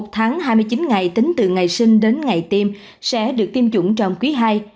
một mươi một tháng hai mươi chín ngày tính từ ngày sinh đến ngày tiêm sẽ được tiêm chủng trong quý hai